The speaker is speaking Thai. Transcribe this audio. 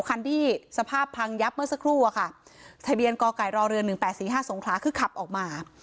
คันที่สภาพพังยับเมื่อสักครู่อะค่ะทะเบียนกไก่รอเรือ๑๘๔๕สงขลาคือขับออกมา